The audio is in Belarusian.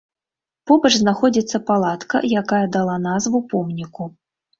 Побач знаходзіцца палатка, якая дала назву помніку.